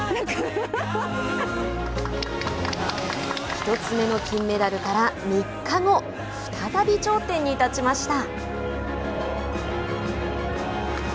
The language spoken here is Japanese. １つ目の金メダルから３日後再び頂点に立ちました。